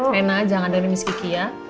reina jangan demi miski kia